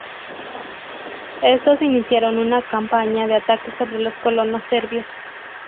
Estos iniciaron una campaña de ataques sobre los colonos serbios.